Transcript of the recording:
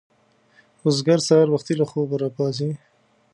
بزګر سهار وختي له خوبه راپاڅي